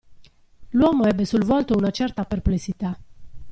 L'uomo ebbe sul volto una certa perplessità.